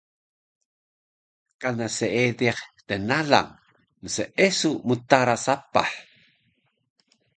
kana seediq tnalang mseesu mtara sapah